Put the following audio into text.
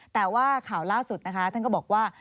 แต่ว่าข่าวล่าสุดนะคะท่านก็บอกว่า